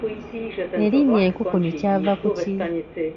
Erinnya enkukunyi kyava ku ki?